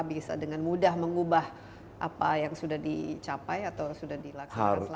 apakah bisa dengan mudah mengubah apa yang sudah dicapai atau sudah dilakukan selama ini